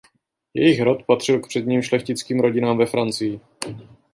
Jejich rod patřil k předním šlechtickým rodinám ve Francii.